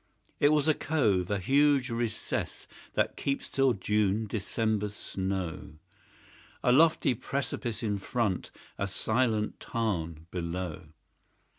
It was a cove, a huge recess, That keeps, till June, December's snow. A lofty precipice in front, A silent tarn below!